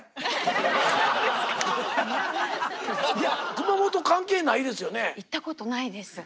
熊本関係ないですよね？